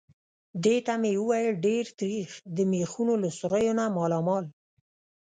دې ته مې وویل: ډېر تریخ. د مېخونو له سوریو نه مالامال.